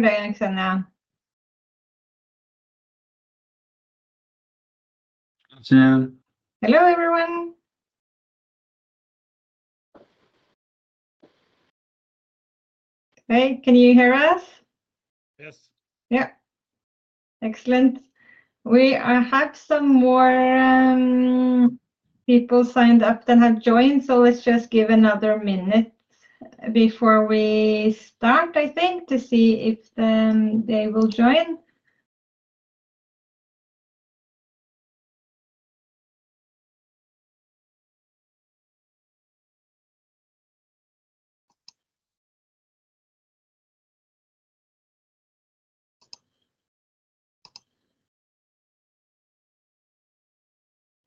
Hear Dag Mo now. I can. Hello, everyone. Hey, can you hear us? Yes. Yeah. Excellent. We have some more people signed up than have joined, so let's just give another minute before we start, I think, to see if they will join.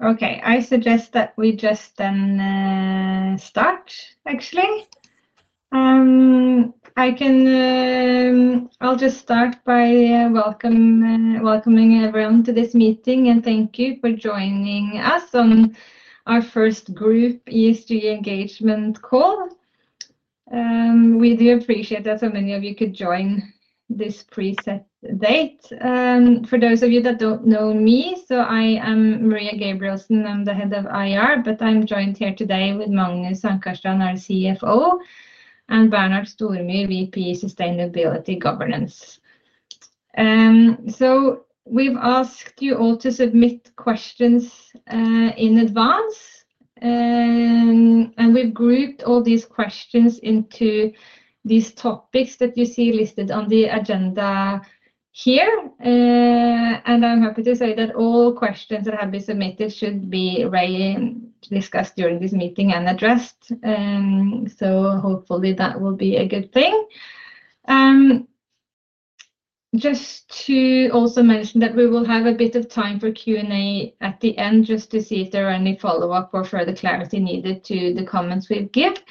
Okay, I suggest that we just then start, actually. I'll just start by welcoming everyone to this meeting and thank you for joining us on our first group ESG engagement call. We do appreciate that so many of you could join this preset date. For those of you that don't know me, I am Maria Gabrielsen, I'm the Head of IR, but I'm joined here today with Magnus Ankarstrand, our CFO, and Bernard Stormyr, VP Sustainability Governance. We've asked you all to submit questions in advance, and we've grouped all these questions into these topics that you see listed on the agenda here. I'm happy to say that all questions that have been submitted should be discussed during this meeting and addressed. Hopefully that will be a good thing. Just to also mention that we will have a bit of time for Q&A at the end, just to see if there are any follow-up or further clarity needed to the comments we've given.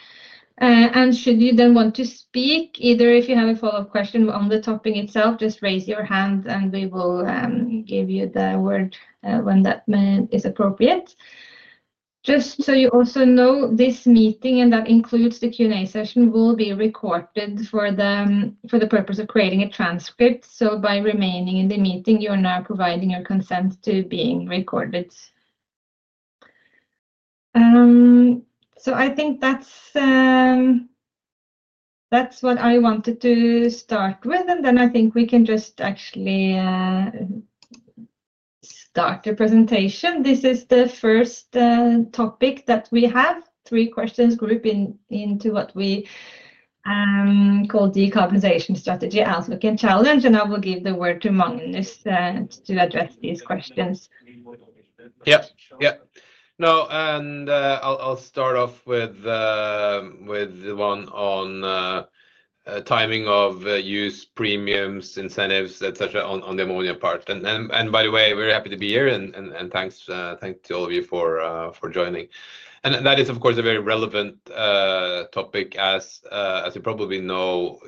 Should you then want to speak, either if you have a follow-up question on the topic itself, just raise your hand and we will give you the word when that is appropriate. Just so you also know, this meeting, and that includes the Q&A session, will be recorded for the purpose of creating a transcript. By remaining in the meeting, you're now providing your consent to being recorded. I think that's what I wanted to start with, and then I think we can just actually start the presentation. This is the first topic that we have, three questions grouped into what we call Decarbonization Strategy, Outlook, and Challenge, and I will give the word to Magnus to address these questions. Yeah, yeah. No, I'll start off with the one on timing of use premiums, incentives, etc., on the ammonia part. By the way, we're happy to be here, and thanks to all of you for joining. That is, of course, a very relevant topic, as you probably know,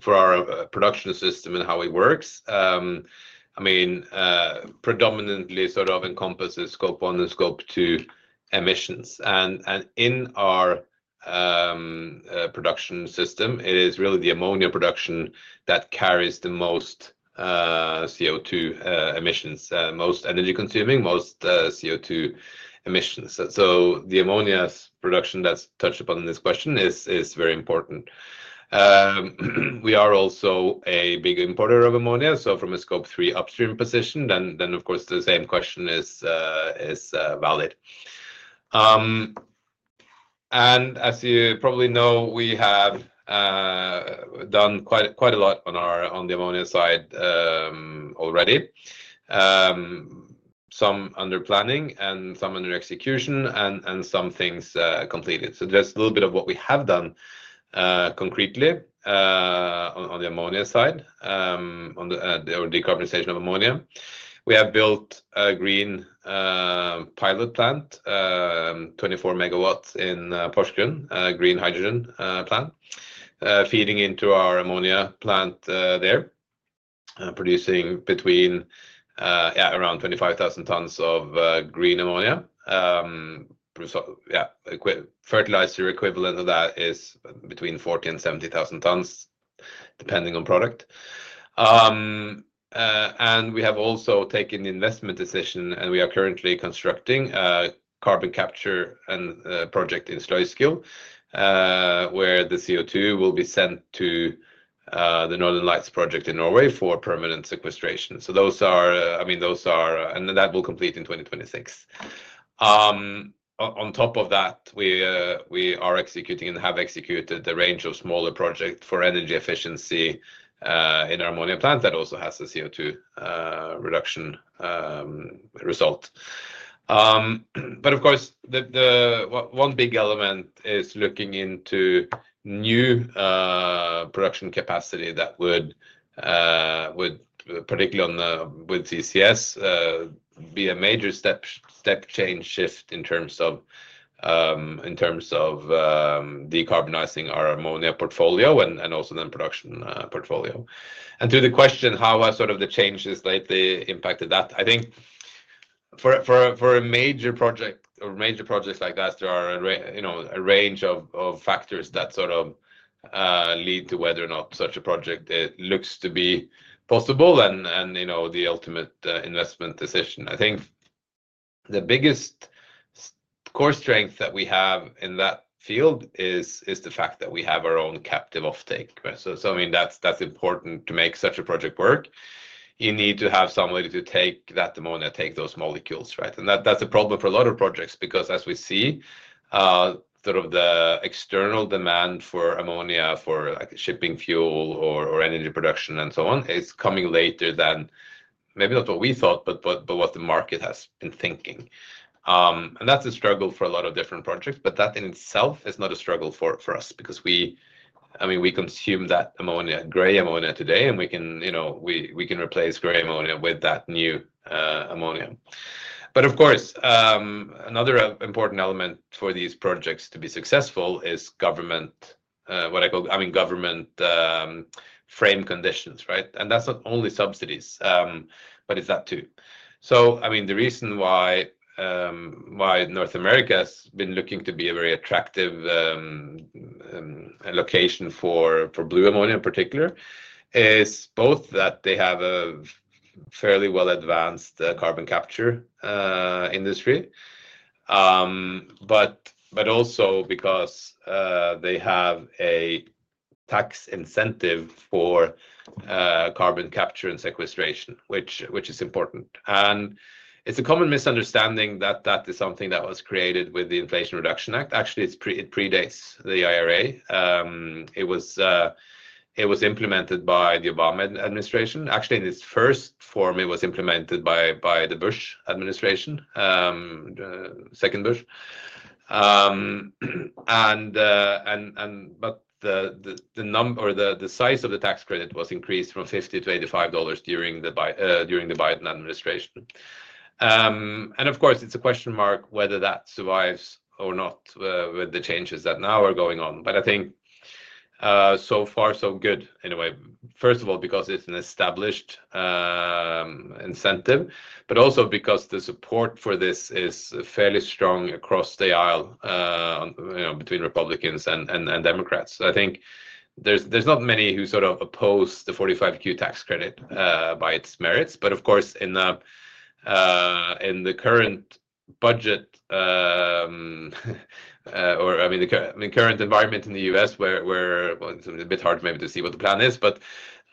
for our production system and how it works. I mean, predominantly sort of encompasses scope one and scope two emissions. In our production system, it is really the ammonia production that carries the most CO2 emissions, most energy-consuming, most CO2 emissions. The ammonia production that's touched upon in this question is very important. We are also a big importer of ammonia, so from a scope three upstream position, then of course the same question is valid. As you probably know, we have done quite a lot on the ammonia side already, some under planning and some under execution and some things completed. There is a little bit of what we have done concretely on the ammonia side, on the decarbonization of ammonia. We have built a green pilot plant, 24 megawatts in Porsgrunn, a green hydrogen plant feeding into our ammonia plant there, producing between, yeah, around 25,000 tons of green ammonia. Fertilizer equivalent of that is between 40,000 and 70,000 tons, depending on product. We have also taken the investment decision, and we are currently constructing a carbon capture project in Sluiskil, where the CO2 will be sent to the Northern Lights project in Norway for permanent sequestration. Those are, I mean, those are, and that will complete in 2026. On top of that, we are executing and have executed a range of smaller projects for energy efficiency in our ammonia plant that also has a CO2 reduction result. Of course, one big element is looking into new production capacity that would, particularly with CCS, be a major step change shift in terms of decarbonizing our ammonia portfolio and also then production portfolio. To the question how sort of the changes lately impacted that, I think for a major project or major projects like that, there are a range of factors that sort of lead to whether or not such a project looks to be possible and the ultimate investment decision. I think the biggest core strength that we have in that field is the fact that we have our own captive offtake. I mean, that's important to make such a project work. You need to have somebody to take that ammonia, take those molecules, right? That's a problem for a lot of projects because as we see sort of the external demand for ammonia for shipping fuel or energy production and so on, it's coming later than maybe not what we thought, but what the market has been thinking. That's a struggle for a lot of different projects, but that in itself is not a struggle for us because we, I mean, we consume that ammonia, gray ammonia today, and we can replace gray ammonia with that new ammonia. Of course, another important element for these projects to be successful is government, what I call, I mean, government frame conditions, right? That's not only subsidies, but it's that too. I mean, the reason why North America has been looking to be a very attractive location for blue ammonia in particular is both that they have a fairly well-advanced carbon capture industry, but also because they have a tax incentive for carbon capture and sequestration, which is important. It is a common misunderstanding that that is something that was created with the Inflation Reduction Act. Actually, it predates the IRA. It was implemented by the Obama administration. Actually, in its first form, it was implemented by the Bush administration, second Bush. The number or the size of the tax credit was increased from $50 to $85 during the Biden administration. Of course, it is a question mark whether that survives or not with the changes that now are going on. I think so far, so good in a way. First of all, because it's an established incentive, but also because the support for this is fairly strong across the aisle between Republicans and Democrats. I think there's not many who sort of oppose the 45Q tax credit by its merits. Of course, in the current budget, or I mean, the current environment in the U.S., where it's a bit hard maybe to see what the plan is, but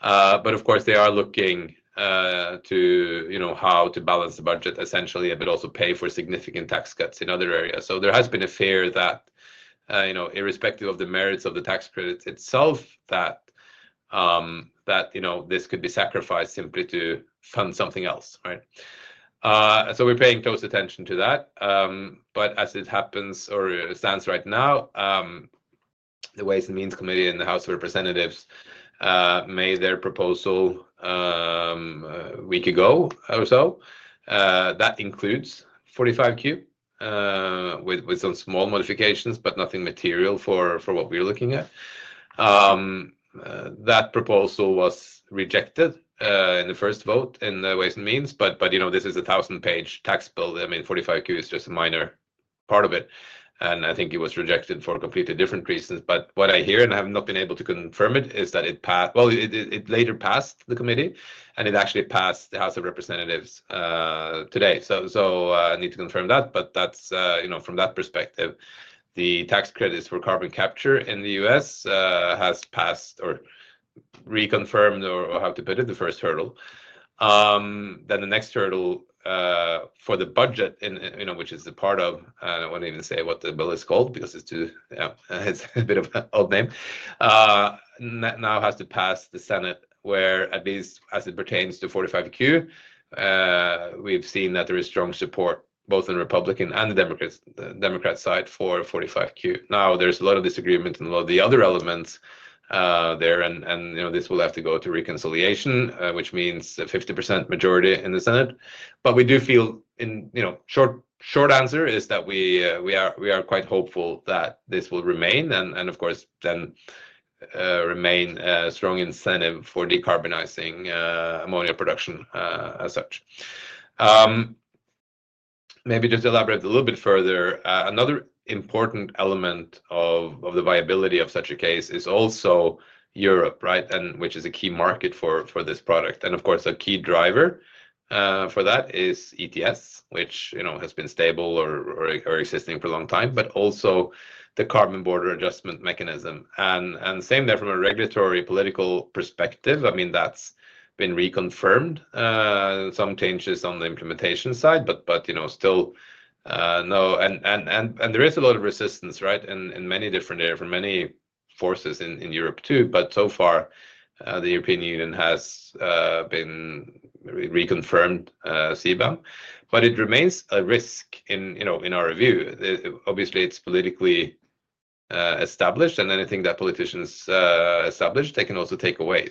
of course, they are looking to how to balance the budget essentially, but also pay for significant tax cuts in other areas. There has been a fear that irrespective of the merits of the tax credit itself, that this could be sacrificed simply to fund something else, right? We're paying close attention to that. As it happens or stands right now, the Ways and Means Committee and the House of Representatives made their proposal a week ago or so. That includes 45Q with some small modifications, but nothing material for what we're looking at. That proposal was rejected in the first vote in the Ways and Means, but this is a thousand-page tax bill. I mean, 45Q is just a minor part of it. I think it was rejected for completely different reasons. What I hear, and I have not been able to confirm it, is that it later passed the committee, and it actually passed the House of Representatives today. I need to confirm that. From that perspective, the tax credits for carbon capture in the U.S. has passed or reconfirmed, or how to put it, the first hurdle. The next hurdle for the budget, which is a part of, I won't even say what the bill is called because it's a bit of an old name, now has to pass the Senate, where at least as it pertains to 45Q, we've seen that there is strong support both in Republican and the Democrat side for 45Q. Now, there's a lot of disagreement in a lot of the other elements there, and this will have to go to reconciliation, which means a 50% majority in the Senate. We do feel, short answer is that we are quite hopeful that this will remain, and of course, then remain a strong incentive for decarbonizing ammonia production as such. Maybe just elaborate a little bit further. Another important element of the viability of such a case is also Europe, right, which is a key market for this product. Of course, a key driver for that is ETS, which has been stable or existing for a long time, but also the carbon border adjustment mechanism. Same there from a regulatory political perspective. I mean, that's been reconfirmed, some changes on the implementation side, but still no. There is a lot of resistance, right, in many different areas, for many forces in Europe too. So far, the European Union has reconfirmed CBAM. It remains a risk in our view. Obviously, it's politically established, and anything that politicians establish, they can also take away.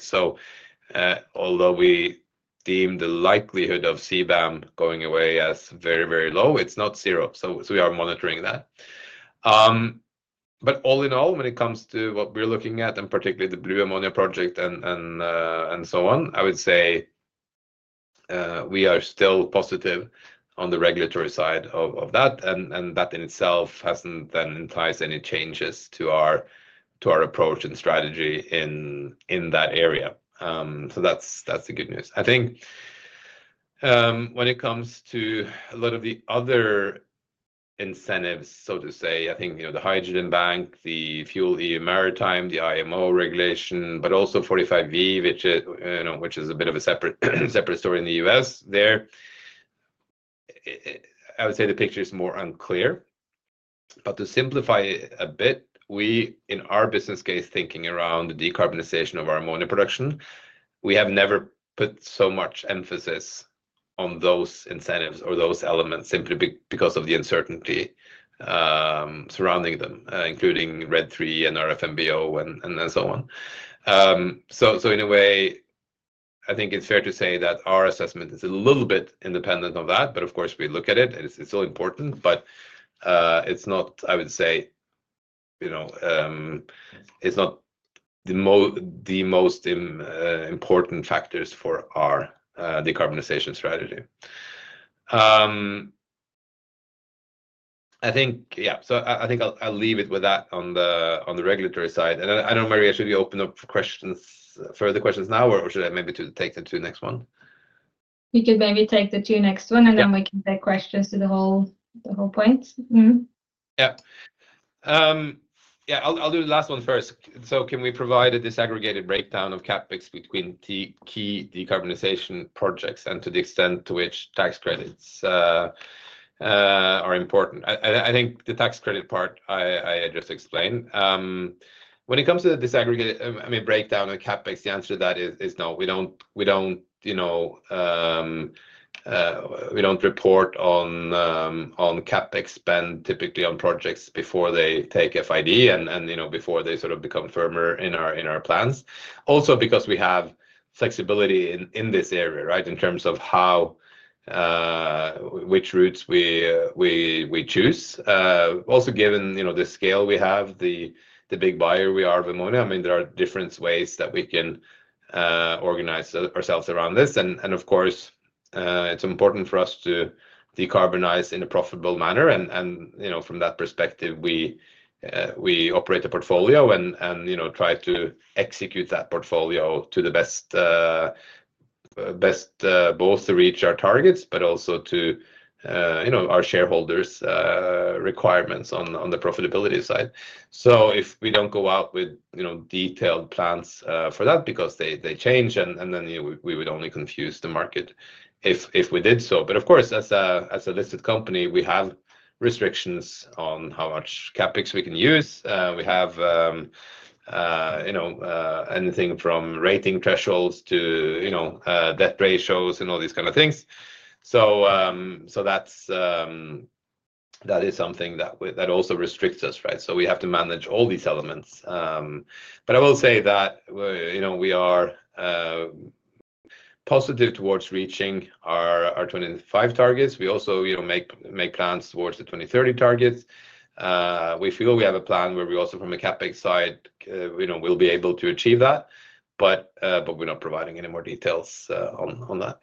Although we deem the likelihood of CBAM going away as very, very low, it's not zero. We are monitoring that. All in all, when it comes to what we're looking at, and particularly the blue ammonia project and so on, I would say we are still positive on the regulatory side of that. That in itself has not then enticed any changes to our approach and strategy in that area. That is the good news. I think when it comes to a lot of the other incentives, so to say, I think the Hydrogen Bank, the Fuel EU Maritime, the IMO regulation, but also 45V, which is a bit of a separate story in the US there, I would say the picture is more unclear. To simplify a bit, we, in our business case thinking around the decarbonization of our ammonia production, have never put so much emphasis on those incentives or those elements simply because of the uncertainty surrounding them, including RED III and RFNBO and so on. In a way, I think it's fair to say that our assessment is a little bit independent of that. Of course, we look at it, and it's still important, but it's not, I would say, it's not the most important factors for our decarbonization strategy. I think, yeah. I think I'll leave it with that on the regulatory side. I don't know, Maria, should we open up further questions now, or should I maybe take the two next one? We could maybe take the two next one, and then we can take questions to the whole point. Yeah. Yeah, I'll do the last one first. Can we provide a disaggregated breakdown of CapEx between key decarbonization projects and to the extent to which tax credits are important? I think the tax credit part I just explained. When it comes to the disaggregated, I mean, breakdown of CapEx, the answer to that is no. We don't report on CapEx spend typically on projects before they take FID and before they sort of become firmer in our plans. Also because we have flexibility in this area, right, in terms of which routes we choose. Also given the scale we have, the big buyer we are of ammonia, I mean, there are different ways that we can organize ourselves around this. Of course, it's important for us to decarbonize in a profitable manner. From that perspective, we operate a portfolio and try to execute that portfolio to the best both to reach our targets, but also to our shareholders' requirements on the profitability side. If we do not go out with detailed plans for that because they change, we would only confuse the market if we did so. Of course, as a listed company, we have restrictions on how much CapEx we can use. We have anything from rating thresholds to debt ratios and all these kind of things. That is something that also restricts us, right? We have to manage all these elements. I will say that we are positive towards reaching our 2025 targets. We also make plans towards the 2030 targets. We feel we have a plan where we also, from a CapEx side, will be able to achieve that. But we're not providing any more details on that.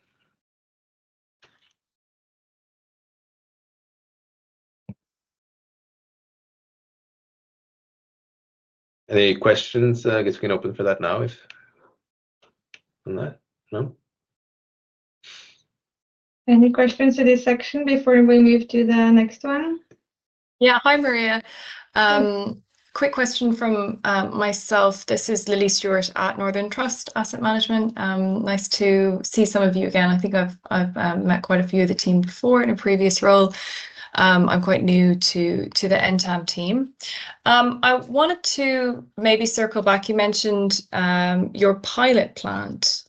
Any questions? I guess we can open for that now. If not, no? Any questions for this section before we move to the next one? Yeah. Hi, Maria. Quick question from myself. This is Lily Stuart at Northern Trust Asset Management. Nice to see some of you again. I think I've met quite a few of the team before in a previous role. I'm quite new to the end-term team. I wanted to maybe circle back. You mentioned your pilot plant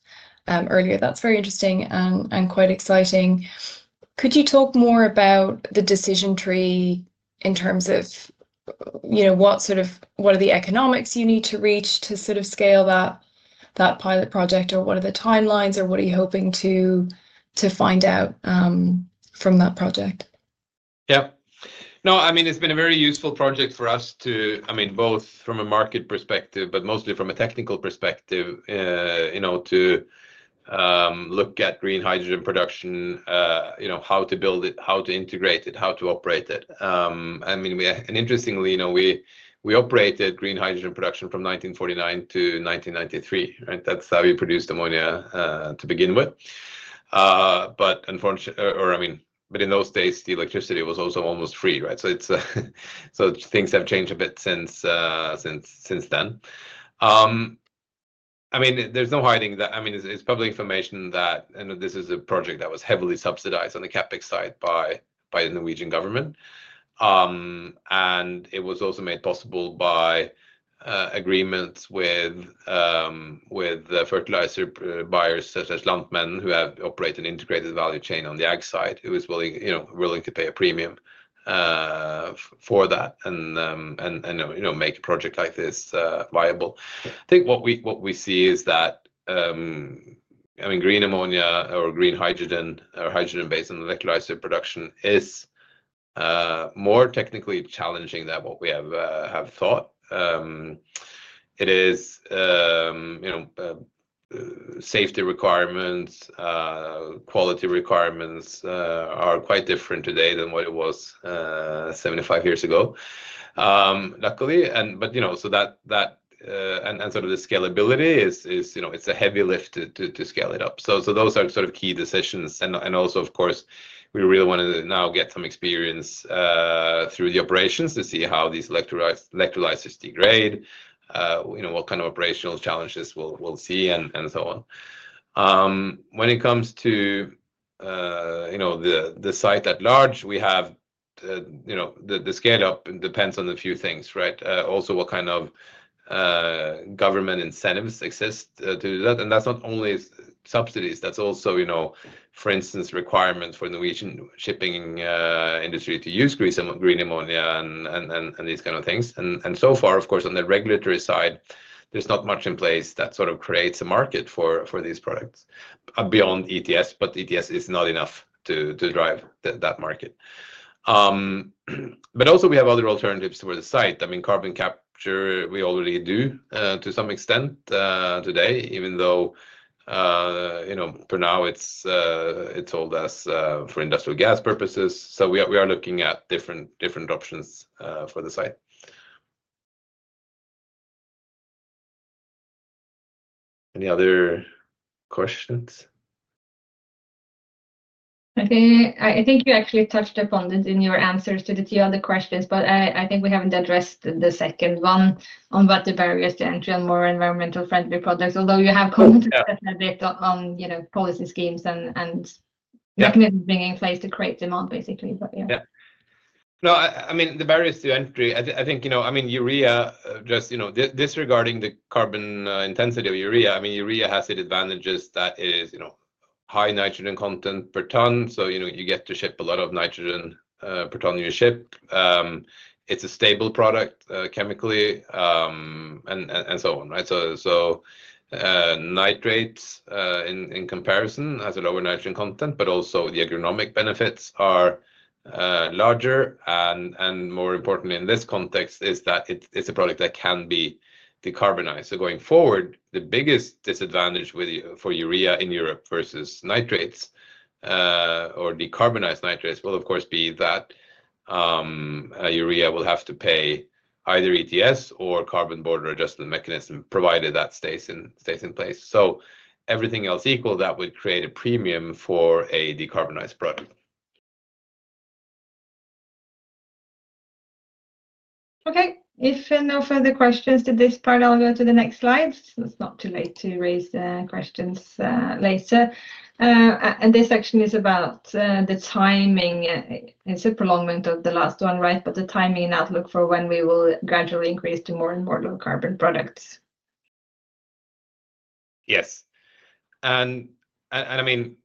earlier. That's very interesting and quite exciting. Could you talk more about the decision tree in terms of what sort of, what are the economics you need to reach to sort of scale that pilot project, or what are the timelines, or what are you hoping to find out from that project? Yeah. No, I mean, it's been a very useful project for us to, I mean, both from a market perspective, but mostly from a technical perspective, to look at green hydrogen production, how to build it, how to integrate it, how to operate it. I mean, interestingly, we operated green hydrogen production from 1949 to 1993, right? That's how we produced ammonia to begin with. Unfortunately, or I mean, in those days, the electricity was also almost free, right? Things have changed a bit since then. There is no hiding that, I mean, it's public information that this is a project that was heavily subsidized on the CapEx side by the Norwegian government. It was also made possible by agreements with fertilizer buyers such as Lantmännen, who have operated an integrated value chain on the Ag side, who is willing to pay a premium for that and make a project like this viable. I think what we see is that, I mean, green ammonia or green hydrogen or hydrogen-based and electrolyzer production is more technically challenging than what we have thought. It is safety requirements, quality requirements are quite different today than what it was 75 years ago, luckily. That and sort of the scalability, it's a heavy lift to scale it up. Those are sort of key decisions. Of course, we really want to now get some experience through the operations to see how these electrolyzers degrade, what kind of operational challenges we'll see, and so on. When it comes to the site at large, we have the scale-up depends on a few things, right? Also what kind of government incentives exist to do that. That's not only subsidies. That's also, for instance, requirements for the Norwegian shipping industry to use green ammonia and these kind of things. So far, of course, on the regulatory side, there's not much in place that sort of creates a market for these products beyond ETS, but ETS is not enough to drive that market. Also we have other alternatives for the site. I mean, carbon capture, we already do to some extent today, even though for now it's sold as for industrial gas purposes. We are looking at different options for the site. Any other questions? I think you actually touched upon this in your answers to the two other questions, but I think we haven't addressed the second one on what the barriers to entry on more environmental-friendly products, although you have commented a bit on policy schemes and bringing in place to create demand, basically. Yeah. No, I mean, the barriers to entry, I think, I mean, urea, just disregarding the carbon intensity of urea, I mean, urea has the advantages that it is high nitrogen content per ton. So you get to ship a lot of nitrogen per ton you ship. It's a stable product chemically and so on, right? Nitrates in comparison has a lower nitrogen content, but also the agronomic benefits are larger. More importantly, in this context, is that it's a product that can be decarbonized. Going forward, the biggest disadvantage for urea in Europe versus nitrates or decarbonized nitrates will, of course, be that urea will have to pay either ETS or carbon border adjustment mechanism provided that stays in place. Everything else equal, that would create a premium for a decarbonized product. Okay. If no further questions to this part, I'll go to the next slide. It is not too late to raise questions later. This section is about the timing. It is a prolongment of the last one, right? The timing and outlook for when we will gradually increase to more and more low carbon products. Yes. I mean,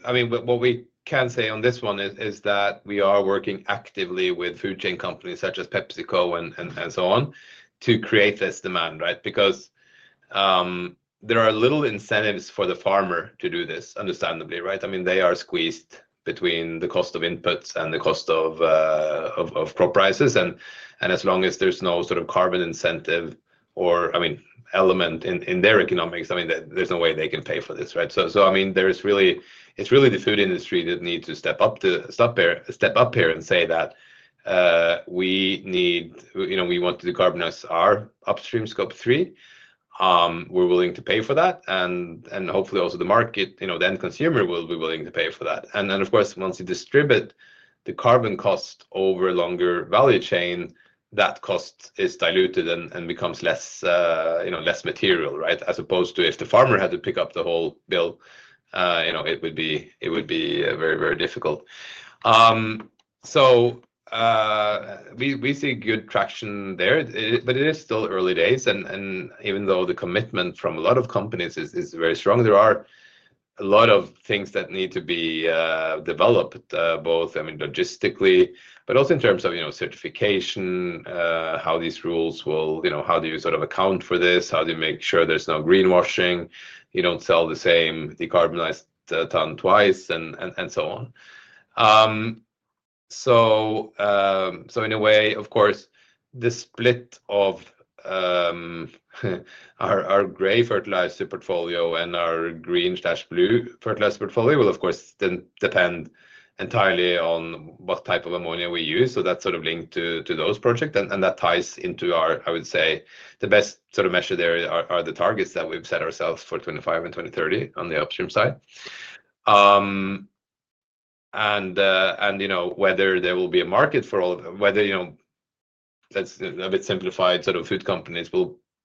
what we can say on this one is that we are working actively with food chain companies such as PepsiCo and so on to create this demand, right? Because there are little incentives for the farmer to do this, understandably, right? I mean, they are squeezed between the cost of inputs and the cost of crop prices. As long as there is no sort of carbon incentive or, I mean, element in their economics, there is no way they can pay for this, right? I mean, it is really the food industry that needs to step up here and say that we need, we want to decarbonize our upstream scope three. We are willing to pay for that. Hopefully also the market, the end consumer will be willing to pay for that. Of course, once you distribute the carbon cost over a longer value chain, that cost is diluted and becomes less material, right? As opposed to if the farmer had to pick up the whole bill, it would be very, very difficult. We see good traction there, but it is still early days. Even though the commitment from a lot of companies is very strong, there are a lot of things that need to be developed, both, I mean, logistically, but also in terms of certification, how these rules will, how do you sort of account for this? How do you make sure there is no greenwashing? You do not sell the same decarbonized ton twice and so on. In a way, of course, the split of our gray fertilizer portfolio and our green/blue fertilizer portfolio will, of course, depend entirely on what type of ammonia we use. That's sort of linked to those projects. That ties into our, I would say, the best sort of measure there are the targets that we've set ourselves for 2025 and 2030 on the upstream side. Whether there will be a market for all, whether that's a bit simplified, sort of food companies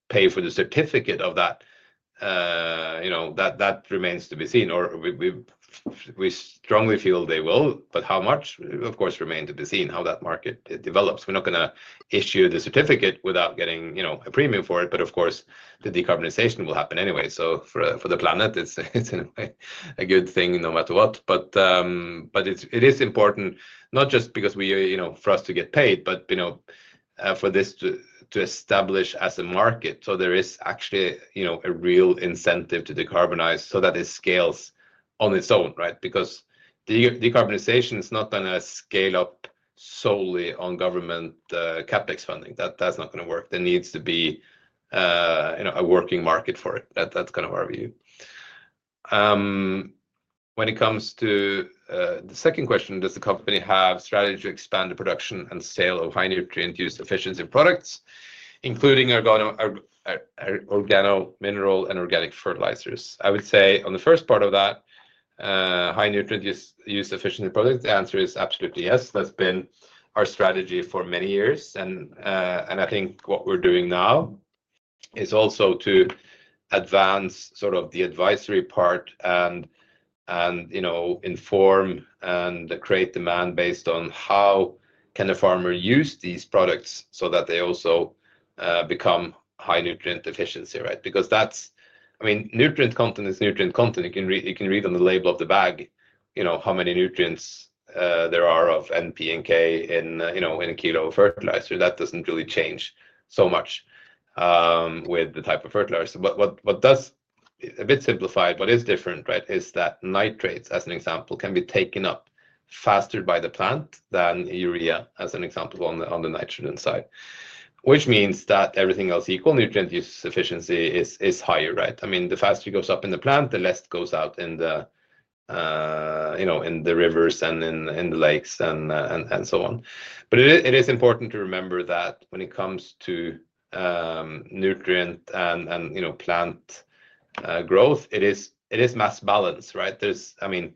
will pay for the certificate of that, that remains to be seen. We strongly feel they will, but how much, of course, remains to be seen how that market develops. We're not going to issue the certificate without getting a premium for it. Of course, the decarbonization will happen anyway. For the planet, it's a good thing no matter what. It is important, not just for us to get paid, but for this to establish as a market. There is actually a real incentive to decarbonize so that it scales on its own, right? Because decarbonization is not going to scale up solely on government CapEx funding. That's not going to work. There needs to be a working market for it. That's kind of our view. When it comes to the second question, does the company have a strategy to expand the production and sale of high nutrient use efficiency products, including organo-mineral and organic fertilizers? I would say on the first part of that, high nutrient use efficiency products, the answer is absolutely yes. That's been our strategy for many years. I think what we're doing now is also to advance sort of the advisory part and inform and create demand based on how can the farmer use these products so that they also become high nutrient efficiency, right? Because that's, I mean, nutrient content is nutrient content. You can read on the label of the bag how many nutrients there are of N, P, and K in a kilo of fertilizer. That does not really change so much with the type of fertilizer. What does, a bit simplified, what is different, right, is that nitrates, as an example, can be taken up faster by the plant than urea as an example on the nitrogen side, which means that everything else equal, nutrient use efficiency is higher, right? I mean, the faster it goes up in the plant, the less goes out in the rivers and in the lakes and so on. It is important to remember that when it comes to nutrient and plant growth, it is mass balance, right? I mean,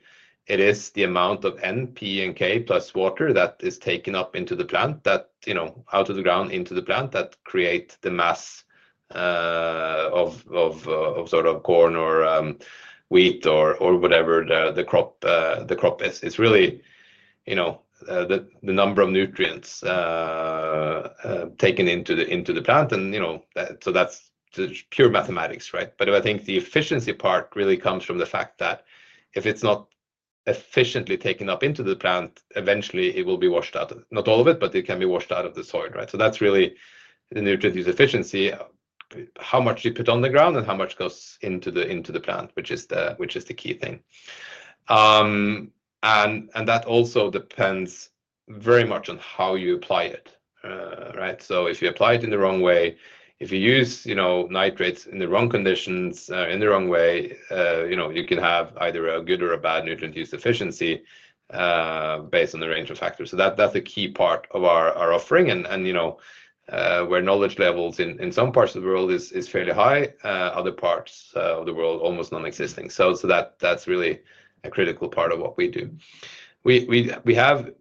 it is the amount of N, P, and K plus water that is taken up into the plant, out of the ground into the plant that creates the mass of sort of corn or wheat or whatever the crop is. It is really the number of nutrients taken into the plant. That is pure mathematics, right? I think the efficiency part really comes from the fact that if it is not efficiently taken up into the plant, eventually it will be washed out. Not all of it, but it can be washed out of the soil, right? That is really the nutrient use efficiency, how much you put on the ground and how much goes into the plant, which is the key thing. That also depends very much on how you apply it, right? If you apply it in the wrong way, if you use nitrates in the wrong conditions, in the wrong way, you can have either a good or a bad nutrient use efficiency based on the range of factors. That is a key part of our offering. Where knowledge levels in some parts of the world is fairly high, other parts of the world almost non-existing. That is really a critical part of what we do. We have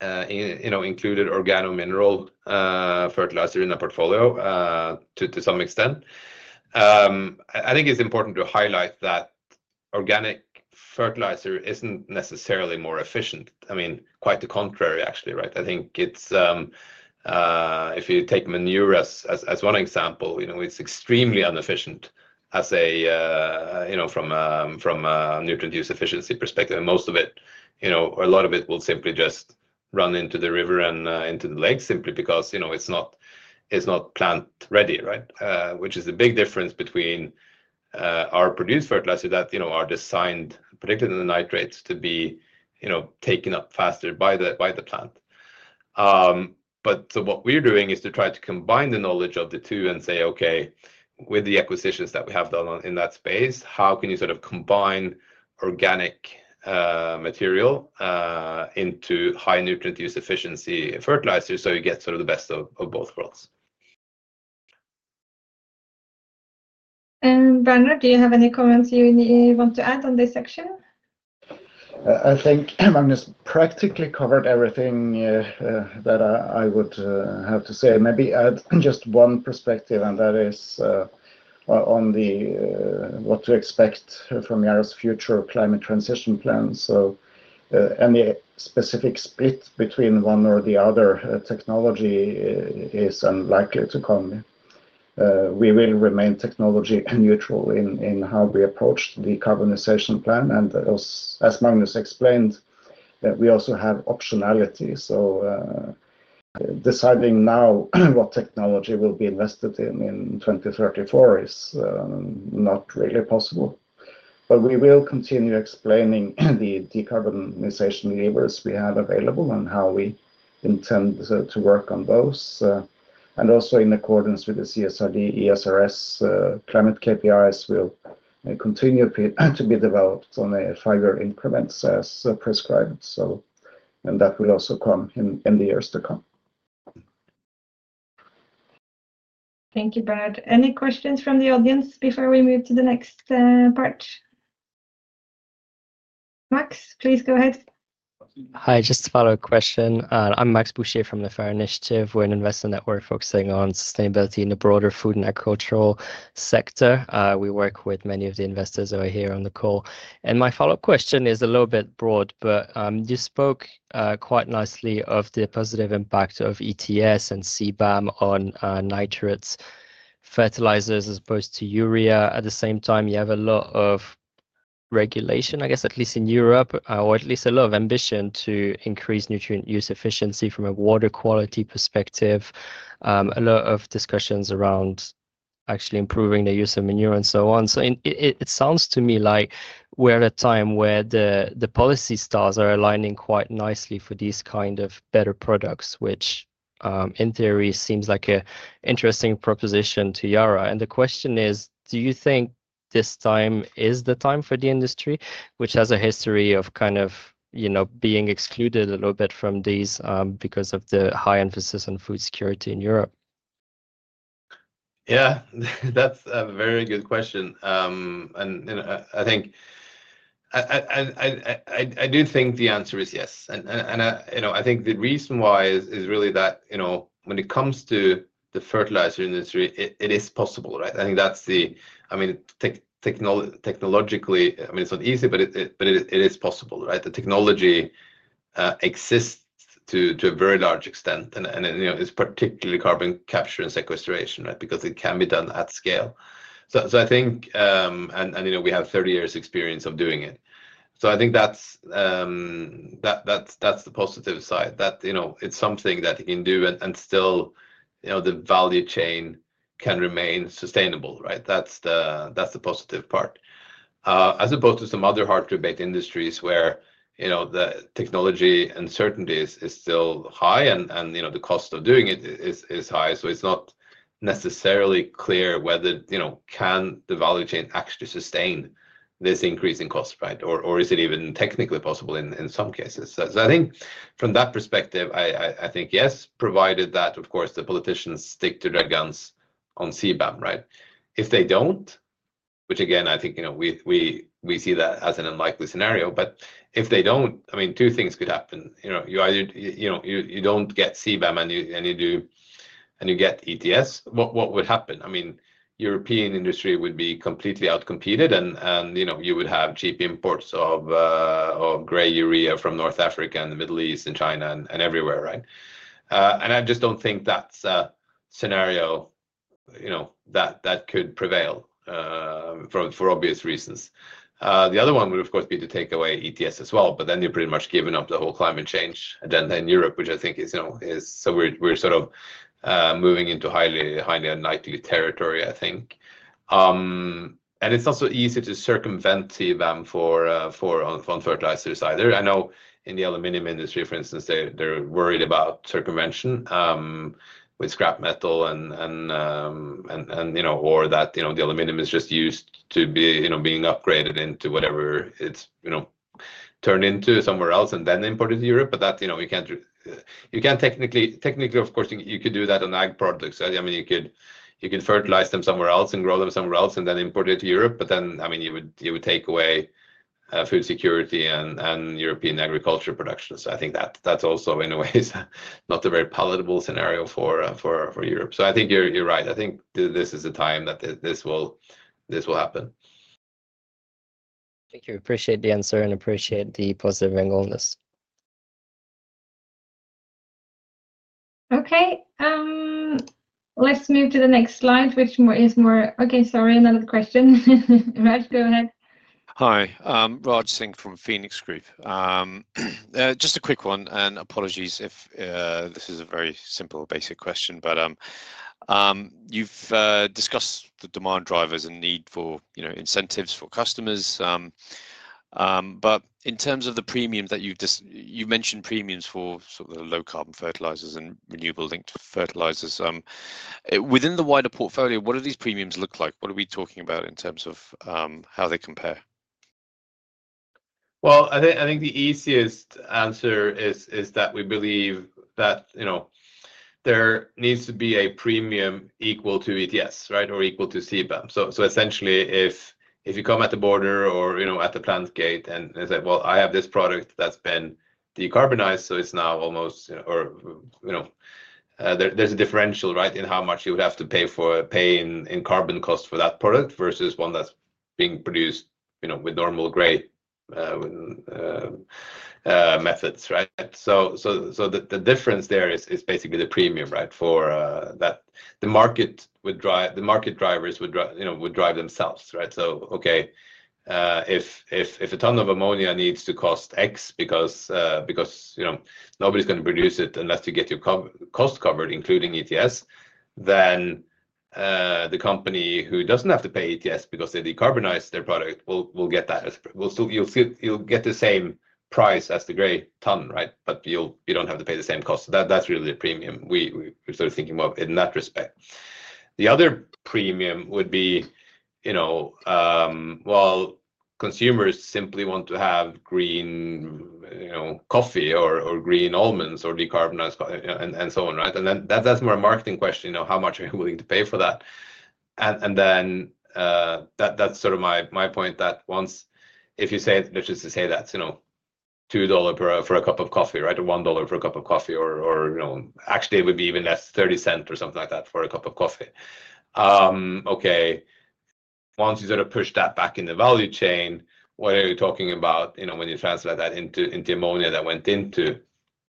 included organo-mineral fertilizer in our portfolio to some extent. I think it is important to highlight that organic fertilizer is not necessarily more efficient. I mean, quite the contrary, actually, right? I think if you take manure as one example, it is extremely inefficient from a nutrient use efficiency perspective. Most of it, or a lot of it, will simply just run into the river and into the lakes simply because it is not plant-ready, right? Which is the big difference between our produced fertilizer that are designed, particularly the nitrates, to be taken up faster by the plant. What we are doing is to try to combine the knowledge of the two and say, okay, with the acquisitions that we have done in that space, how can you sort of combine organic material into high nutrient use efficiency fertilizer so you get sort of the best of both worlds? Bernard, do you have any comments you want to add on this section? I think Magnus practically covered everything that I would have to say. Maybe add just one perspective, and that is on what to expect from Yara's future climate transition plan. Any specific split between one or the other technology is unlikely to come. We will remain technology neutral in how we approach the decarbonization plan. As Magnus explained, we also have optionality. Deciding now what technology will be invested in in 2034 is not really possible. We will continue explaining the decarbonization levers we have available and how we intend to work on those. Also in accordance with the CSRD, ESRS climate KPIs will continue to be developed on a five-year increment as prescribed. That will also come in the years to come. Thank you, Bernard. Any questions from the audience before we move to the next part? Max, please go ahead. Hi, just a follow-up question. I'm Max Boucher from the FAIRR Initiative. We're an investor network focusing on sustainability in the broader food and agricultural sector. We work with many of the investors who are here on the call. My follow-up question is a little bit broad, but you spoke quite nicely of the positive impact of ETS and CBAM on nitrates, fertilizers as opposed to urea. At the same time, you have a lot of regulation, I guess, at least in Europe, or at least a lot of ambition to increase nutrient use efficiency from a water quality perspective. A lot of discussions around actually improving the use of manure and so on. It sounds to me like we're at a time where the policy stars are aligning quite nicely for these kind of better products, which in theory seems like an interesting proposition to Yara. Do you think this time is the time for the industry, which has a history of kind of being excluded a little bit from these because of the high emphasis on food security in Europe? Yeah, that's a very good question. I do think the answer is yes. I think the reason why is really that when it comes to the fertilizer industry, it is possible, right? I think that's the, I mean, technologically, I mean, it's not easy, but it is possible, right? The technology exists to a very large extent and is particularly carbon capture and sequestration, right? Because it can be done at scale. I think, and we have 30 years' experience of doing it. I think that's the positive side. It's something that you can do and still the value chain can remain sustainable, right? That's the positive part. As opposed to some other hard-to-abate industries where the technology uncertainty is still high and the cost of doing it is high. It's not necessarily clear whether the value chain can actually sustain this increase in cost, right? Or is it even technically possible in some cases? I think from that perspective, yes, provided that, of course, the politicians stick to their guns on CBAM, right? If they do not, which again, I think we see as an unlikely scenario, but if they do not, I mean, two things could happen. You do not get CBAM and you get ETS. What would happen? European industry would be completely outcompeted and you would have cheap imports of gray urea from North Africa and the Middle East and China and everywhere, right? I just do not think that is a scenario that could prevail for obvious reasons. The other one would, of course, be to take away ETS as well, but then you're pretty much giving up the whole climate change agenda in Europe, which I think is, so we're sort of moving into highly unlikely territory, I think. It's not so easy to circumvent CBAM on fertilizers either. I know in the aluminum industry, for instance, they're worried about circumvention with scrap metal or that the aluminum is just used to being upgraded into whatever it's turned into somewhere else and then imported to Europe. You can't technically, of course, you could do that on ag products. I mean, you could fertilize them somewhere else and grow them somewhere else and then import it to Europe. I mean, you would take away food security and European agriculture production. I think that's also, in a way, not a very palatable scenario for Europe. I think you're right. I think this is the time that this will happen. Thank you. Appreciate the answer and appreciate the positive angle on this. Okay. Let's move to the next slide, which is more, okay, sorry, another question. Raj, go ahead. Hi. Raj Singh from Phoenix Group. Just a quick one and apologies if this is a very simple, basic question, but you've discussed the demand drivers and need for incentives for customers. In terms of the premium that you've mentioned, premiums for sort of the low-carbon fertilizers and renewable-linked fertilizers, within the wider portfolio, what do these premiums look like? What are we talking about in terms of how they compare? I think the easiest answer is that we believe that there needs to be a premium equal to ETS, right, or equal to CBAM. Essentially, if you come at the border or at the plant gate and say, "I have this product that's been decarbonized, so it's now almost," or there's a differential, right, in how much you would have to pay in carbon costs for that product versus one that's being produced with normal gray methods, right? The difference there is basically the premium, right? The market drivers would drive themselves, right? Okay, if a ton of ammonia needs to cost X because nobody's going to produce it unless you get your cost covered, including ETS, then the company who doesn't have to pay ETS because they decarbonize their product will get that. You'll get the same price as the gray ton, right? You do not have to pay the same cost. That is really the premium we are sort of thinking of in that respect. The other premium would be, consumers simply want to have green coffee or green almonds or decarbonized coffee and so on, right? That is more a marketing question, how much are you willing to pay for that? That is sort of my point that once if you say, let us just say that is $2 for a cup of coffee, right? Or $1 for a cup of coffee, or actually it would be even less, 30 cents or something like that for a cup of coffee. Okay. Once you sort of push that back in the value chain, what are you talking about when you translate that into ammonia that went into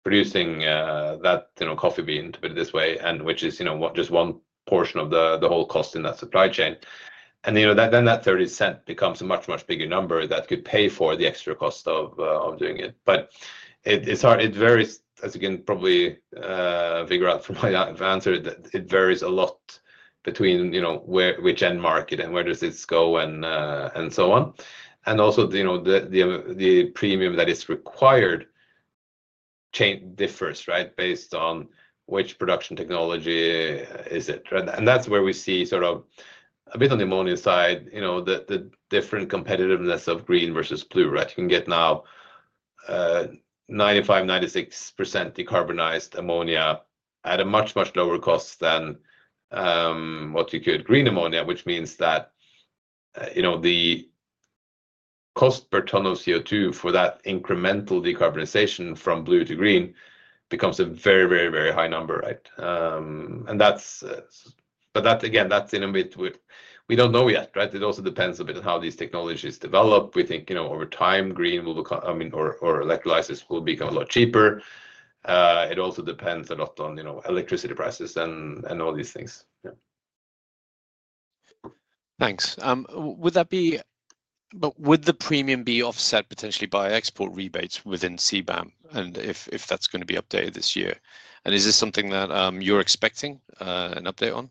producing that coffee bean, to put it this way, which is just one portion of the whole cost in that supply chain? Then that 30 cent becomes a much, much bigger number that could pay for the extra cost of doing it. It varies, as you can probably figure out from my answer, it varies a lot between which end market and where this goes and so on. Also, the premium that is required differs, right, based on which production technology it is, right? That is where we see, sort of a bit on the ammonia side, the different competitiveness of green versus blue, right? You can get now 95-96% decarbonized ammonia at a much, much lower cost than what you could green ammonia, which means that the cost per ton of CO2 for that incremental decarbonization from blue to green becomes a very, very, very high number, right? That, again, that's in a we don't know yet, right? It also depends a bit on how these technologies develop. We think over time, green will become, I mean, or electrolysis will become a lot cheaper. It also depends a lot on electricity prices and all these things. Thanks. Would the premium be offset potentially by export rebates within CBAM, and if that's going to be updated this year? Is this something that you're expecting an update on?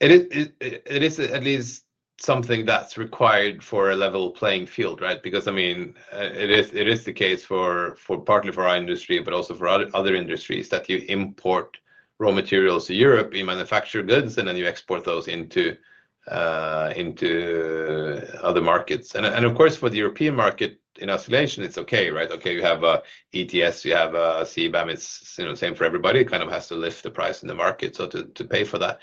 It is at least something that's required for a level playing field, right? Because, I mean, it is the case partly for our industry, but also for other industries that you import raw materials to Europe, you manufacture goods, and then you export those into other markets. Of course, for the European market in isolation, it's okay, right? Okay, you have ETS, you have CBAM, it's the same for everybody. It kind of has to lift the price in the market to pay for that.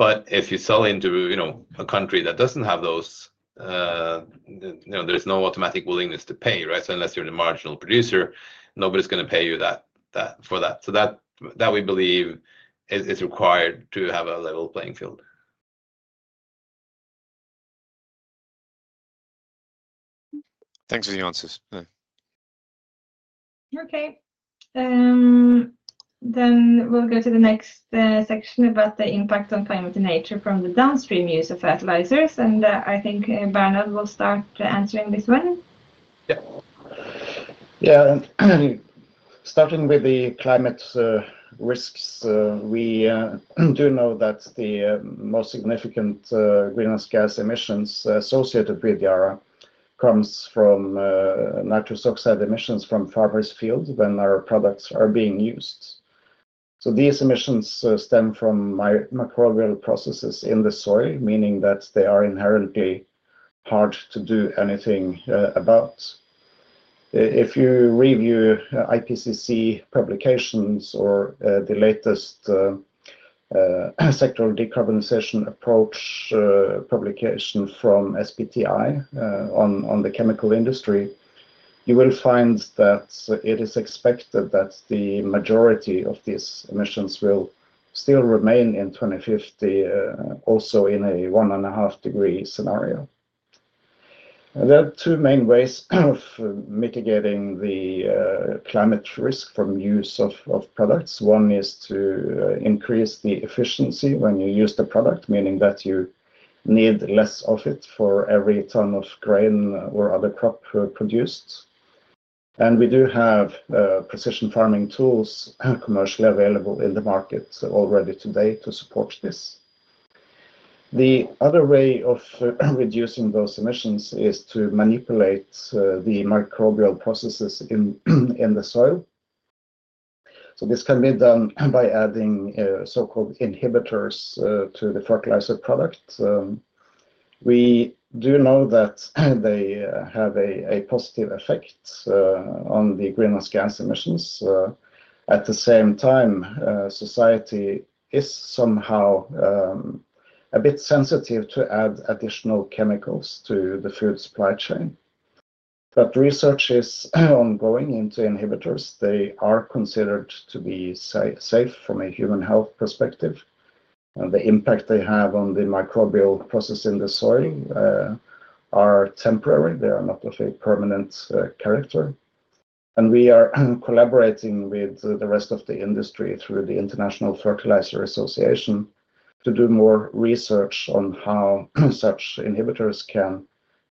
If you sell into a country that doesn't have those, there's no automatic willingness to pay, right? Unless you're a marginal producer, nobody's going to pay you for that. That we believe is required to have a level playing field. Thanks for the answers. Okay. We will go to the next section about the impact on climate and nature from the downstream use of fertilizers. I think Bernard will start answering this one. Yeah. Yeah. Starting with the climate risks, we do know that the most significant greenhouse gas emissions associated with Yara come from nitrous oxide emissions from farmers' fields when our products are being used. These emissions stem from microbial processes in the soil, meaning that they are inherently hard to do anything about. If you review IPCC publications or the latest sectoral decarbonization approach publication from SBTi on the chemical industry, you will find that it is expected that the majority of these emissions will still remain in 2050, also in a one and a half degree scenario. There are two main ways of mitigating the climate risk from use of products. One is to increase the efficiency when you use the product, meaning that you need less of it for every ton of grain or other crop produced. We do have precision farming tools commercially available in the market already today to support this. The other way of reducing those emissions is to manipulate the microbial processes in the soil. This can be done by adding so-called inhibitors to the fertilizer product. We do know that they have a positive effect on the greenhouse gas emissions. At the same time, society is somehow a bit sensitive to add additional chemicals to the food supply chain. Research is ongoing into inhibitors. They are considered to be safe from a human health perspective. The impact they have on the microbial process in the soil is temporary. They are not of a permanent character. We are collaborating with the rest of the industry through the International Fertilizer Association to do more research on how such inhibitors can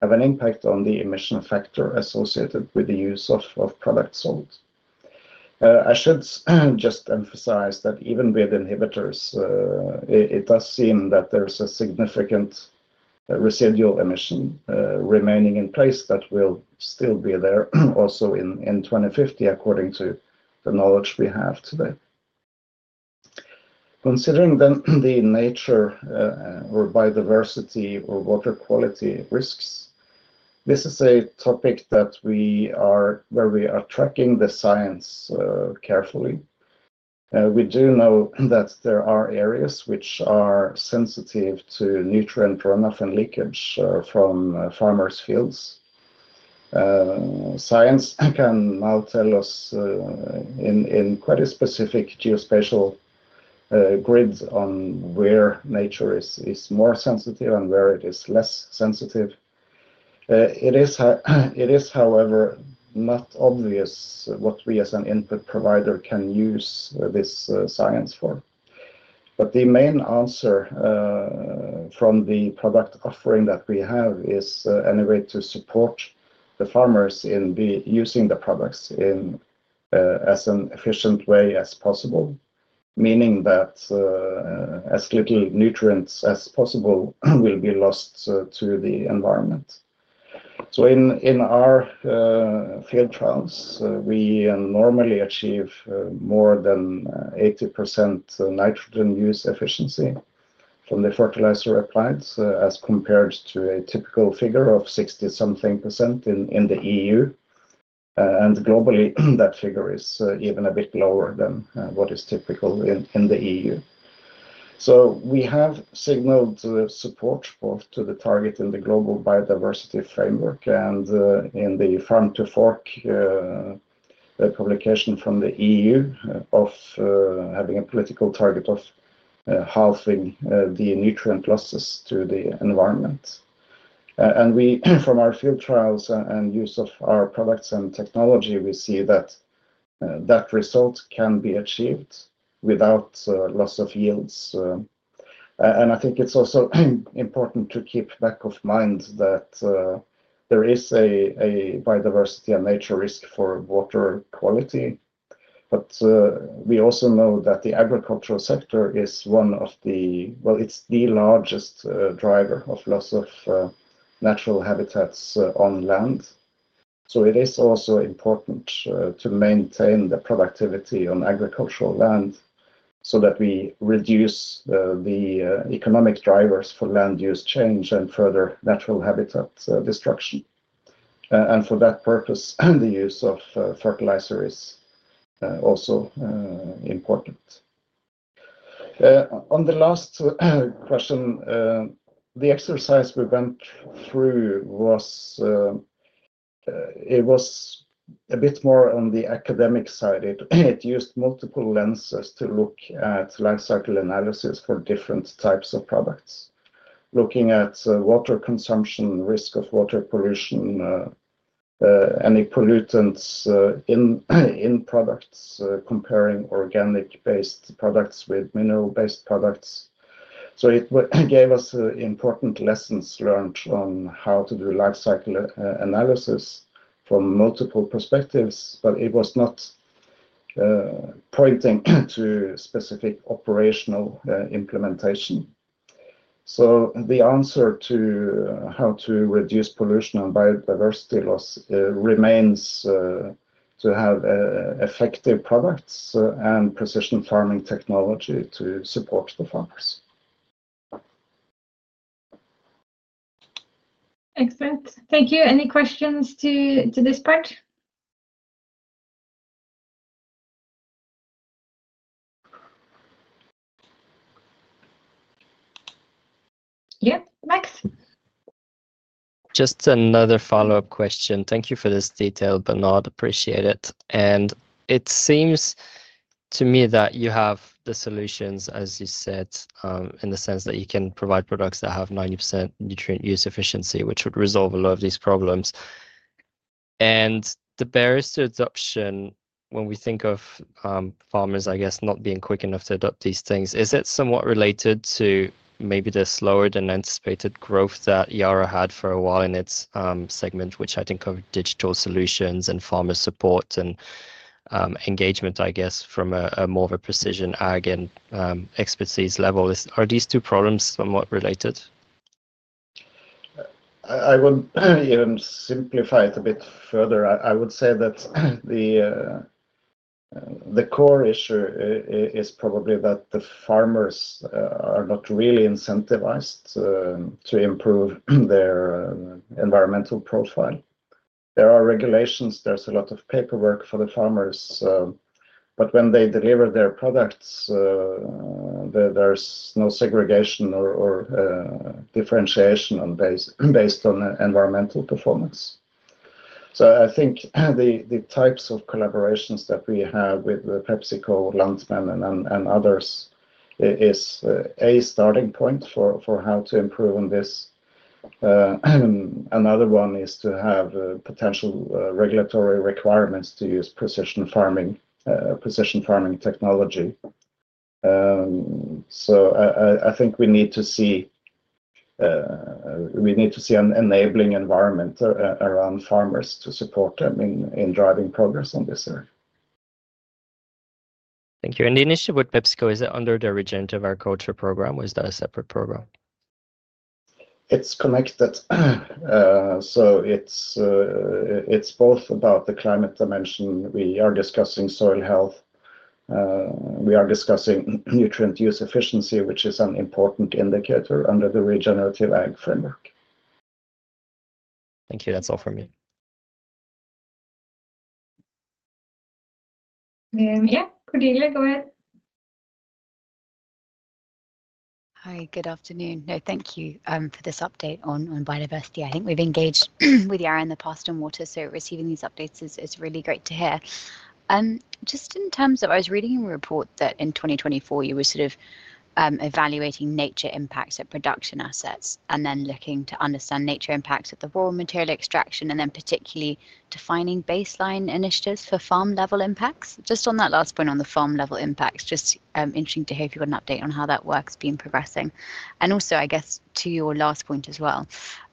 have an impact on the emission factor associated with the use of product salt. I should just emphasize that even with inhibitors, it does seem that there's a significant residual emission remaining in place that will still be there also in 2050, according to the knowledge we have today. Considering then the nature or biodiversity or water quality risks, this is a topic that we are where we are tracking the science carefully. We do know that there are areas which are sensitive to nutrient runoff and leakage from farmers' fields. Science can now tell us in quite a specific geospatial grid on where nature is more sensitive and where it is less sensitive. It is, however, not obvious what we as an input provider can use this science for. The main answer from the product offering that we have is any way to support the farmers in using the products as an efficient way as possible, meaning that as little nutrients as possible will be lost to the environment. In our field trials, we normally achieve more than 80% nitrogen use efficiency from the fertilizer applied as compared to a typical figure of 60-something % in the EU. Globally, that figure is even a bit lower than what is typical in the EU. We have signaled support both to the target in the Global Biodiversity Framework and in the Farm to Fork publication from the EU of having a political target of halving the nutrient losses to the environment. From our field trials and use of our products and technology, we see that that result can be achieved without loss of yields. I think it is also important to keep back of mind that there is a biodiversity and nature risk for water quality. We also know that the agricultural sector is one of the, well, it is the largest driver of loss of natural habitats on land. It is also important to maintain the productivity on agricultural land so that we reduce the economic drivers for land use change and further natural habitat destruction. For that purpose, the use of fertilizer is also important. On the last question, the exercise we went through was, it was a bit more on the academic side. It used multiple lenses to look at life cycle analysis for different types of products, looking at water consumption, risk of water pollution, any pollutants in products, comparing organic-based products with mineral-based products. It gave us important lessons learned on how to do life cycle analysis from multiple perspectives, but it was not pointing to specific operational implementation. The answer to how to reduce pollution and biodiversity loss remains to have effective products and precision farming technology to support the farmers. Excellent. Thank you. Any questions to this part? Yeah, Max? Just another follow-up question. Thank you for this detail, Bernard. Appreciate it. It seems to me that you have the solutions, as you said, in the sense that you can provide products that have 90% nutrient use efficiency, which would resolve a lot of these problems. The barriers to adoption, when we think of farmers, I guess, not being quick enough to adopt these things, is it somewhat related to maybe the slower than anticipated growth that Yara had for a while in its segment, which I think of digital solutions and farmer support and engagement, I guess, from more of a precision ag and expertise level? Are these two problems somewhat related? I will simplify it a bit further. I would say that the core issue is probably that the farmers are not really incentivized to improve their environmental profile. There are regulations, there's a lot of paperwork for the farmers, but when they deliver their products, there's no segregation or differentiation based on environmental performance. I think the types of collaborations that we have with PepsiCo, Lantmännen, and others is a starting point for how to improve on this. Another one is to have potential regulatory requirements to use precision farming technology. I think we need to see an enabling environment around farmers to support them in driving progress on this area. Thank you. And the initiative with PepsiCo, is it under the regent of our culture program or is that a separate program? It's connected. So it's both about the climate dimension. We are discussing soil health. We are discussing nutrient use efficiency, which is an important indicator under the regenerative ag framework. Thank you. That's all from me. Yeah, Cordelia, go ahead. Hi, good afternoon. No, thank you for this update on biodiversity. I think we've engaged with Yara in the past on water, so receiving these updates is really great to hear. Just in terms of I was reading in the report that in 2024, you were sort of evaluating nature impacts at production assets and then looking to understand nature impacts at the raw material extraction and then particularly defining baseline initiatives for farm-level impacts. Just on that last point on the farm-level impacts, just interesting to hear if you've got an update on how that work's been progressing. Also, I guess, to your last point as well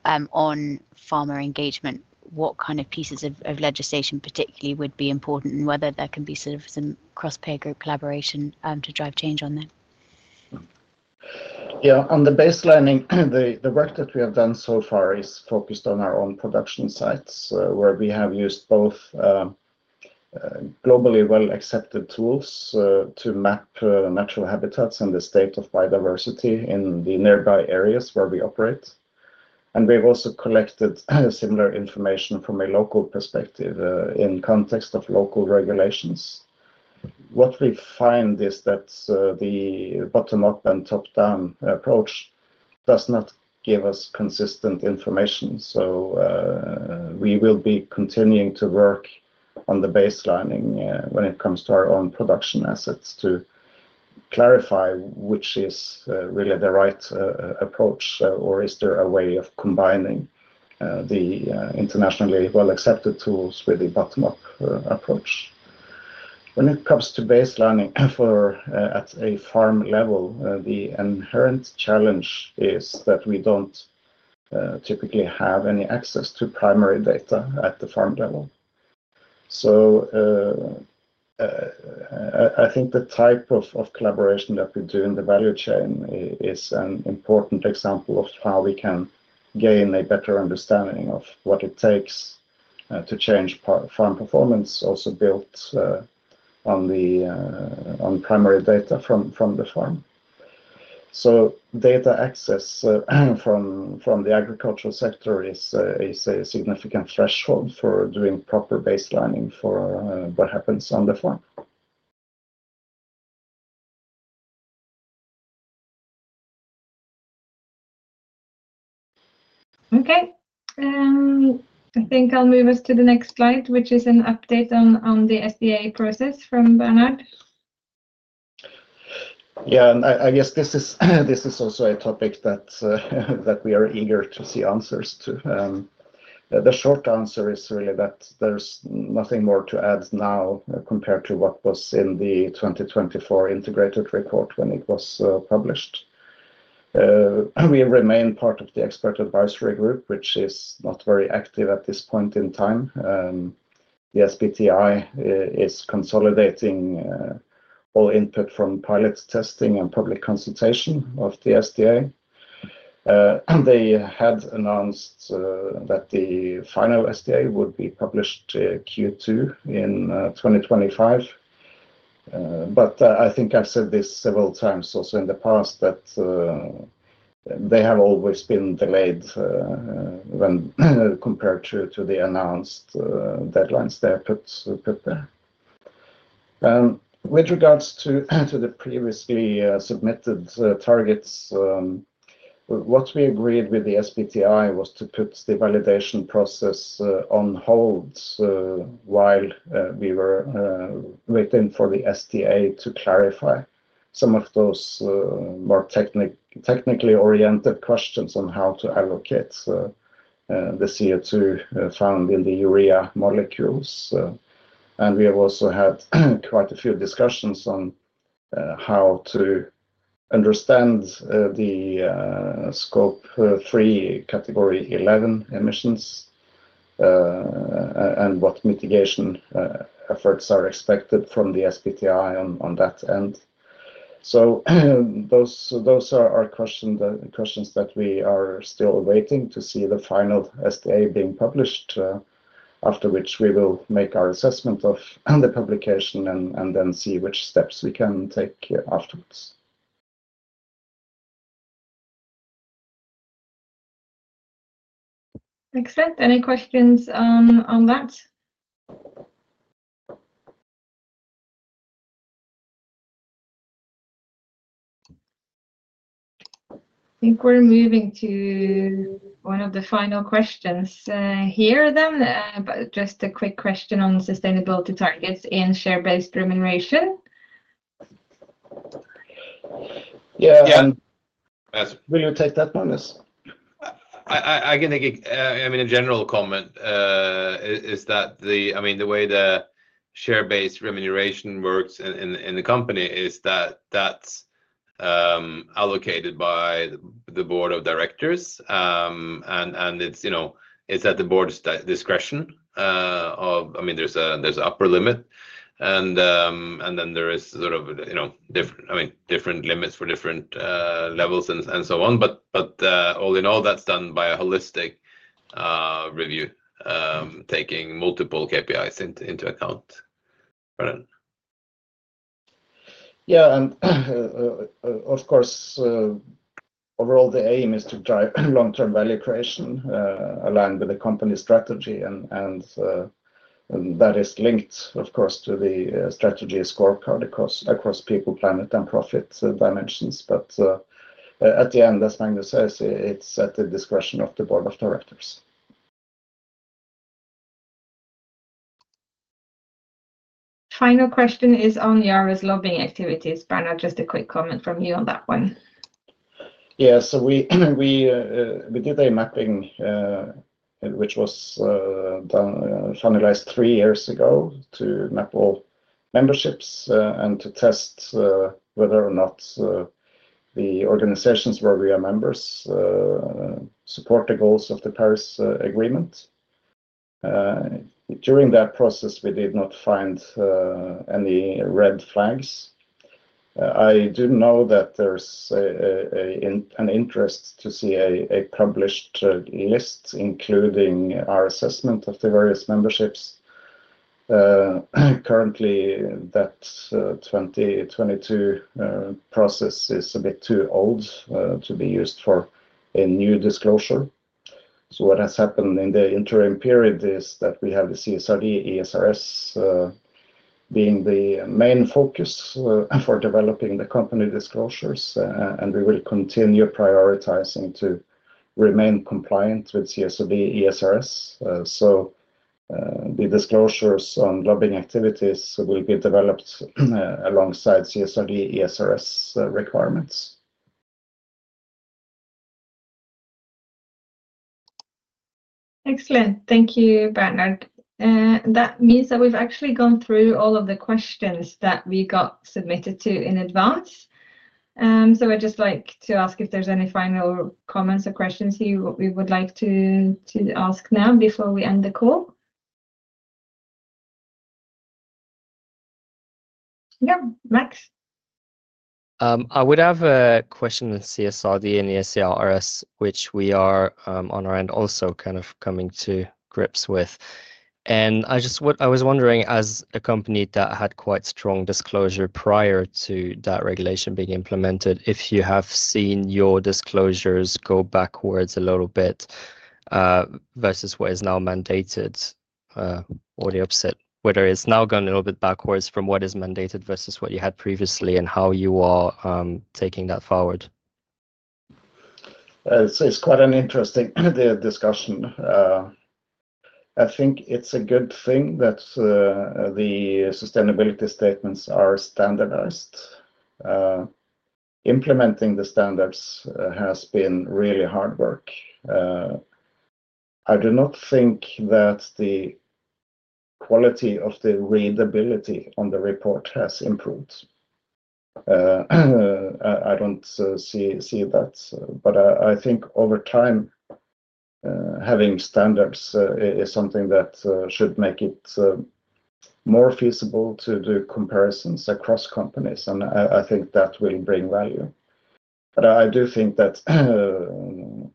on farmer engagement, what kind of pieces of legislation particularly would be important and whether there can be sort of some cross-pay group collaboration to drive change on them? Yeah. On the baseline, the work that we have done so far is focused on our own production sites where we have used both globally well-accepted tools to map natural habitats and the state of biodiversity in the nearby areas where we operate. We have also collected similar information from a local perspective in context of local regulations. What we find is that the bottom-up and top-down approach does not give us consistent information. We will be continuing to work on the baselining when it comes to our own production assets to clarify which is really the right approach or is there a way of combining the internationally well-accepted tools with the bottom-up approach. When it comes to baselining at a farm level, the inherent challenge is that we do not typically have any access to primary data at the farm level. I think the type of collaboration that we do in the value chain is an important example of how we can gain a better understanding of what it takes to change farm performance, also built on primary data from the farm. Data access from the agricultural sector is a significant threshold for doing proper baselining for what happens on the farm. Okay. I think I'll move us to the next slide, which is an update on the SDA process from Bernard. Yeah. I guess this is also a topic that we are eager to see answers to. The short answer is really that there is nothing more to add now compared to what was in the 2024 integrated report when it was published. We remain part of the expert advisory group, which is not very active at this point in time. The SBTi is consolidating all input from pilot testing and public consultation of the SDA. They had announced that the final SDA would be published Q2 in 2025. I think I have said this several times also in the past that they have always been delayed when compared to the announced deadlines they put there. With regards to the previously submitted targets, what we agreed with the SBTi was to put the validation process on hold while we were waiting for the SDA to clarify some of those more technically oriented questions on how to allocate the CO2 found in the urea molecules. We have also had quite a few discussions on how to understand the scope three category 11 emissions and what mitigation efforts are expected from the SBTi on that end. Those are our questions that we are still waiting to see the final SDA being published, after which we will make our assessment of the publication and then see which steps we can take afterwards. Excellent. Any questions on that? I think we're moving to one of the final questions here, then, but just a quick question on sustainability targets in share-based remuneration. Yeah. Will you take that one? Yes. I mean, a general comment is that the, I mean, the way the share-based remuneration works in the company is that that's allocated by the board of directors, and it's at the board's discretion. I mean, there's an upper limit, and then there is sort of, I mean, different limits for different levels and so on. All in all, that's done by a holistic review, taking multiple KPIs into account. Yeah. Of course, overall, the aim is to drive long-term value creation aligned with the company's strategy, and that is linked, of course, to the strategy scorecard across people, planet, and profit dimensions. At the end, as Magnus says, it's at the discretion of the board of directors. Final question is on Yara's lobbying activities, Bernard, just a quick comment from you on that one. Yeah. So we did a mapping, which was finalized three years ago to map all memberships and to test whether or not the organizations where we are members support the goals of the Paris Agreement. During that process, we did not find any red flags. I do know that there's an interest to see a published list, including our assessment of the various memberships. Currently, that 2022 process is a bit too old to be used for a new disclosure. What has happened in the interim period is that we have the CSRD, ESRS being the main focus for developing the company disclosures, and we will continue prioritizing to remain compliant with CSRD, ESRS. The disclosures on lobbying activities will be developed alongside CSRD, ESRS requirements. Excellent. Thank you, Bernard. That means that we've actually gone through all of the questions that we got submitted to in advance. I would just like to ask if there's any final comments or questions you would like to ask now before we end the call. Yeah, Max? I would have a question on CSRD and ESRS, which we are on our end also kind of coming to grips with. I was wondering, as a company that had quite strong disclosure prior to that regulation being implemented, if you have seen your disclosures go backwards a little bit versus what is now mandated, whether it has now gone a little bit backwards from what is mandated versus what you had previously and how you are taking that forward. It's quite an interesting discussion. I think it's a good thing that the sustainability statements are standardized. Implementing the standards has been really hard work. I do not think that the quality of the readability on the report has improved. I don't see that. I think over time, having standards is something that should make it more feasible to do comparisons across companies, and I think that will bring value. I do think that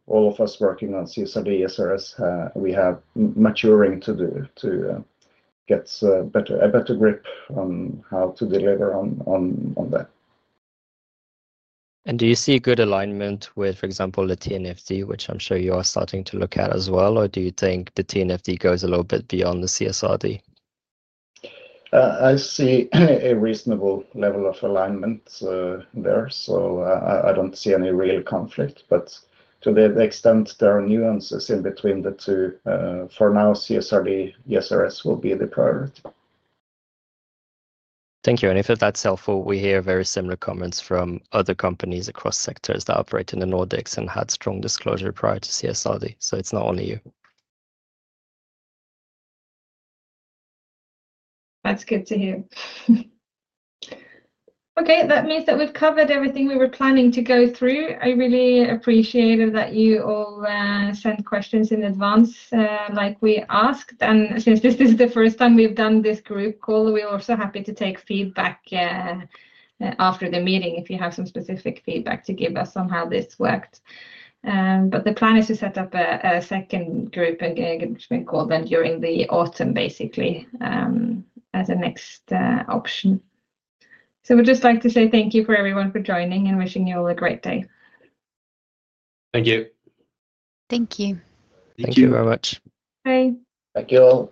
all of us working on CSRD, ESRS, we have maturing to do to get a better grip on how to deliver on that. Do you see a good alignment with, for example, the TNFD, which I'm sure you are starting to look at as well, or do you think the TNFD goes a little bit beyond the CSRD? I see a reasonable level of alignment there, so I do not see any real conflict. To the extent there are nuances in between the two, for now, CSRD, ESRS will be the priority. Thank you. If that's helpful, we hear very similar comments from other companies across sectors that operate in the Nordics and had strong disclosure prior to CSRD. It is not only you. That's good to hear. Okay. That means that we've covered everything we were planning to go through. I really appreciated that you all sent questions in advance like we asked. Since this is the first time we've done this group call, we're also happy to take feedback after the meeting if you have some specific feedback to give us on how this worked. The plan is to set up a second group and get a group call then during the autumn, basically, as a next option. We'd just like to say thank you for everyone for joining and wishing you all a great day. Thank you. Thank you. Thank you very much. Bye. Thank you.